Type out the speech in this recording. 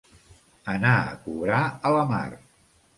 Anar a cobrar a la mar.